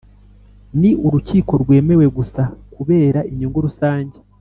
Ni urukiko rwemewe gusa kubera inyungu rusange